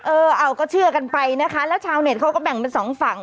เออเอาก็เชื่อกันไปนะคะแล้วชาวเน็ตเขาก็แบ่งเป็นสองฝั่ง